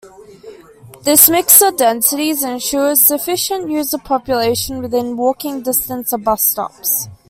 This mix of densities ensures sufficient user population within walking distance of bus stops.